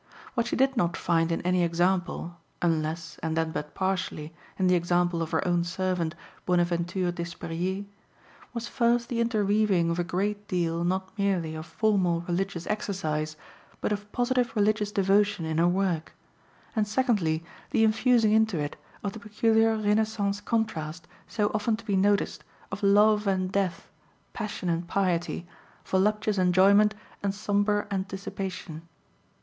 What she did not find in any example (unless, and then but partially, in the example of her own servant, Bonaventure Des périers) was first the interweaving of a great deal not merely of formal religious exercise, but of positive religious devotion in her work; and secondly, the infusing into it of the peculiar Renaissance contrast, so often to be noticed, of love and death, passion and piety, voluptuous enjoyment and sombre anticipation.